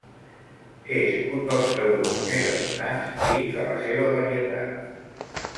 És un dels taurons més abundants dins de la seva varietat.